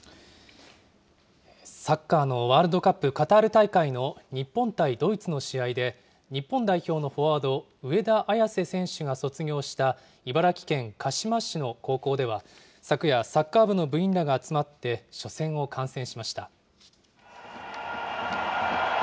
サッカーのワールドカップカタール大会の日本対ドイツの試合で、日本代表のフォワード、上田綺世選手が卒業した茨城県鹿嶋市の高校では、昨夜、サッカー部の部員らが集まって、初戦を観戦しました。